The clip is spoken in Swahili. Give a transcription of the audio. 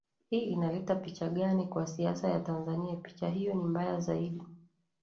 hii inaleta picha gani kwa siasa ya tanzania picha hiyo ni mbaya zaidi